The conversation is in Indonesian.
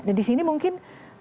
dan disini mungkin